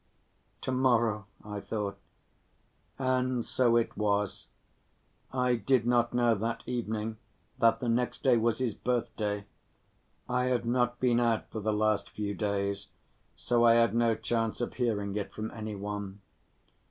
"To‐morrow," I thought. And so it was. I did not know that evening that the next day was his birthday. I had not been out for the last few days, so I had no chance of hearing it from any one.